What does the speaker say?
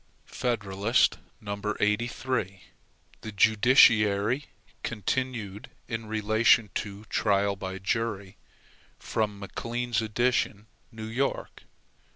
FEDERALIST No. 83 The Judiciary Continued in Relation to Trial by Jury From MCLEAN's Edition, New York.